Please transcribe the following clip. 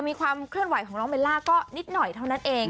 มีความเคลื่อนไหวของน้องเบลล่าก็นิดหน่อยเท่านั้นเอง